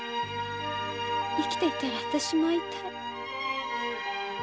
生きていたら私も会いたい。